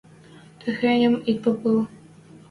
Техеньӹм ит попыл...